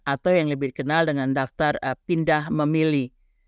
atau yang lebih dikenal dengan daftar pindah memilih